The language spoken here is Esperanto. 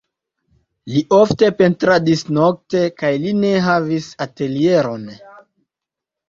Li ofte pentradis nokte kaj li ne havis atelieron.